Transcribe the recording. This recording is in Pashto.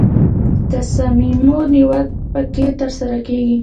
د تصامیمو نیول پکې ترسره کیږي.